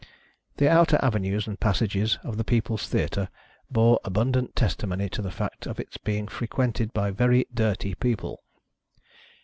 The outer avenues and passages of the People's Theatre bore abundant testimony to the fact of its being frequented by very dirty people.